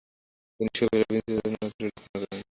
তিনি সুবিশাল Principia Mathematica রচনা করেন।